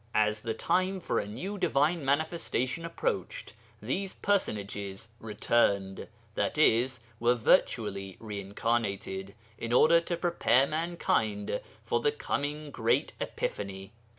As the time for a new divine manifestation approached, these personages 'returned,' i.e. were virtually re incarnated, in order to prepare mankind for the coming great epiphany.